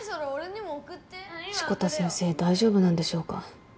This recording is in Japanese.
志子田先生大丈夫なんでしょうか？